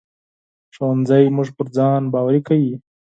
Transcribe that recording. ښوونځی موږ پر ځان باوري کوي